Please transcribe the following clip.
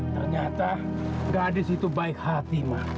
ternyata gadis itu baik hati